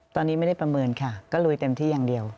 ตอนนี้ไม่ได้ประเมินค่ะก็ลุยเต็มที่อย่างเดียว